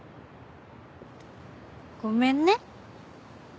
ごめんね。